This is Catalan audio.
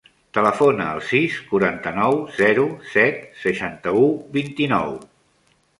Telefona al sis, quaranta-nou, zero, set, seixanta-u, vint-i-nou.